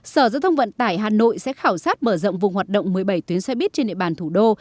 sở giao thông vận tải hà nội sẽ khảo sát mở rộng vùng hoạt động một mươi bảy tuyến xe buýt trên địa bàn thủ đô